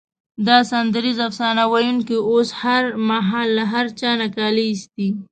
دا سندریز افسانه ویونکی او هر مهال له هر چا نه کالي ایسته.